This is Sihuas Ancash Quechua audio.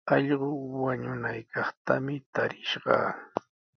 Allqu wañunaykaqtami tarishqaa.